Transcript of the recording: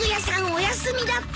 お休みだった。